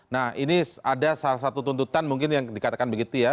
nah ini ada salah satu tuntutan mungkin yang dikatakan begitu ya